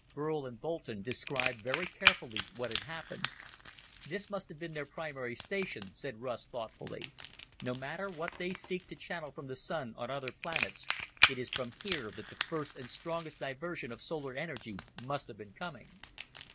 Burl and Boulton described very carefully what had happened. "This must have been their primary station," said Russ thoughtfully. "No matter what they seek to channel from the Sun on other planets, it is from here that the first and strongest diversion of solar energy must have been coming.